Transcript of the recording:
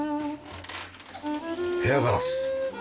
ペアガラス。